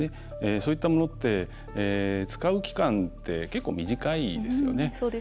そういったものって使う期間って結構、短いですよね。